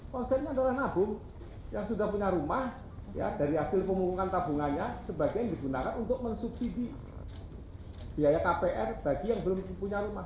konsepnya adalah nabung yang sudah punya rumah dari hasil pemungkungan tabungannya sebagian digunakan untuk mensubsidi biaya kpr bagi yang belum punya rumah